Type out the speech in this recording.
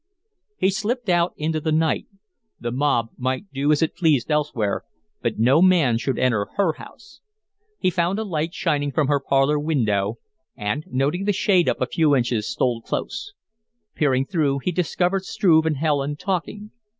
He slipped out into the night. The mob might do as it pleased elsewhere, but no man should enter her house. He found a light shining from her parlor window, and, noting the shade up a few inches, stole close. Peering through, he discovered Struve and Helen talking.